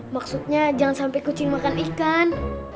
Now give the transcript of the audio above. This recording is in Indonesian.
maksudnya jangan sampai kucing makan ikan